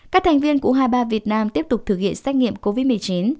các thành viên u hai mươi ba việt nam tiếp tục thực hiện xét nghiệm covid một mươi chín